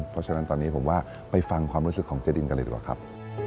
เพราะฉะนั้นตอนนี้ผมว่าไปฟังความรู้สึกของเจดินกันเลยดีกว่าครับ